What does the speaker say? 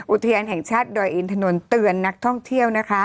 อุทยานแห่งชาติดอยอินถนนเตือนนักท่องเที่ยวนะคะ